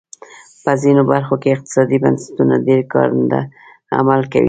په ځینو برخو کې اقتصادي بنسټونه ډېر کارنده عمل کوي.